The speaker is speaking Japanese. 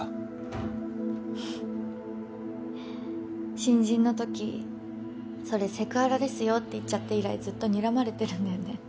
新人のときそれセクハラですよって言っちゃって以来ずっとにらまれてるんだよね。